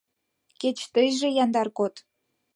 Кеч тыйже яндар код».